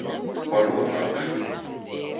Kwalua maghu shuu.